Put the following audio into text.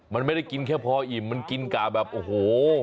มันไม่ได้กินแค่พออิ่มมันกินกะแบบโอ้โห